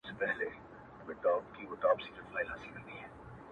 دوستي د سلو کلونو لار ده -